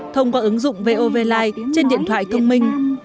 thông qua ứng dụng vovlive trên điện thoại thông minh